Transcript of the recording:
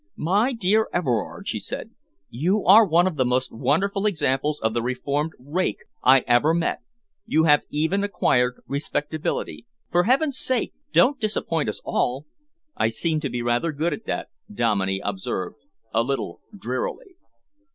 "My dear Everard," she said, "you are one of the most wonderful examples of the reformed rake I ever met! You have even acquired respectability. For heaven's sake, don't disappoint us all!" "I seem to be rather good at that," Dominey observed a little drearily.